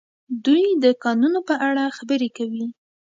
دوی د کانونو په اړه خبرې کوي.